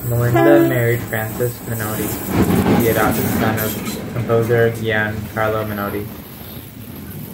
Malinda married Francis Menotti, the adopted son of composer Gian Carlo Menotti.